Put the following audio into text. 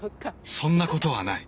そんなことはない。